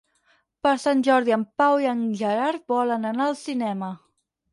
Per Sant Jordi en Pau i en Gerard volen anar al cinema.